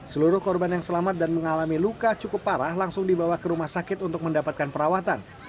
seluruh korban yang selamat dan mengalami luka cukup parah langsung dibawa ke rumah sakit untuk mendapatkan perawatan